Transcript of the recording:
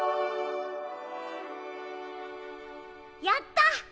やった！